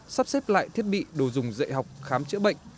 sắp xếp lại thiết bị đồ dùng dạy học khám chữa bệnh